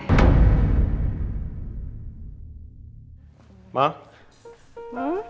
nih siapa perempuan yang udah bikin nino